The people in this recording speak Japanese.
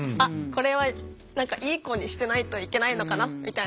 これは何かいい子にしてないといけないのかなみたいな。